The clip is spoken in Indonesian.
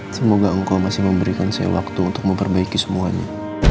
semoga engkau masih memberikan saya waktu untuk memperbaiki semuanya